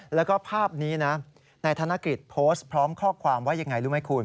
แล้วก็ภาพนี้นะนายธนกฤษโพสต์พร้อมข้อความว่ายังไงรู้ไหมคุณ